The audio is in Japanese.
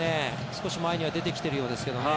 少し前には出てきているようですけどね。